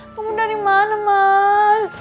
kamu dari mana mas